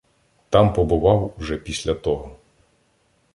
там побував уже після того.